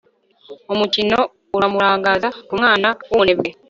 umukino, uramurangaza, kumwana wumunebwe